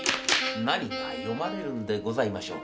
何が読まれるんでございましょうか。